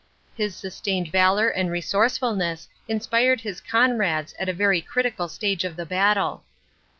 His sustained valor and resourcefulness inspired his comrades at a very critical stage of the battle.